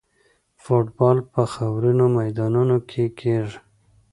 فوټبال په خاورینو میدانونو کې کیږي.